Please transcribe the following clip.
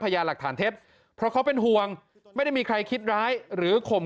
ยาหลักฐานเท็จเพราะเขาเป็นห่วงไม่ได้มีใครคิดร้ายหรือข่ม